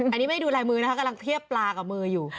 อันนี้ไม่ได้ดูลายมือนะคะกำลังเทียบปลากับมืออยู่